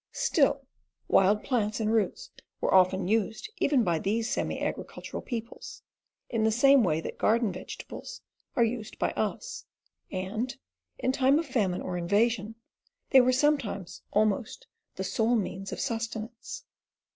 Still, wild plants and roots were often used even by these semi agricul tural peoples, in the same way that garden vegetables are used by us, and, in time of famine or inva sion, they were sometimes almost the sole means of sustenance.